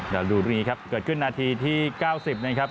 ดูรีครับเกิดขึ้นนาทีที่๙๐นะครับ